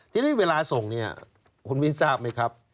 ทีนี้เวลาส่งเนี่ยคุณวินทราบไหมครับ